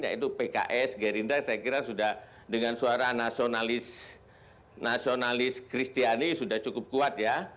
yaitu pks gerindra saya kira sudah dengan suara nasionalis kristiani sudah cukup kuat ya